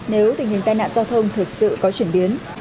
nếu tình hình tai nạn giao thông thực sự có chuyển biến